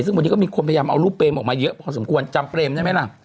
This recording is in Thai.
ซึ่งวันนี้ก็มีคนพยายามเอารูปเปรมออกมาเยอะพอสมควรจำเปรมได้ไหมล่ะ